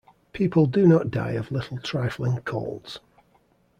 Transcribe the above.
People do not die of little trifling colds.